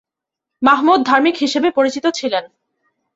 মাহমুদ ধার্মিক হিসেবে পরিচিত ছিলেন।